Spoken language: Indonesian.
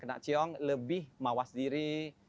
kena ciong lebih mawas diri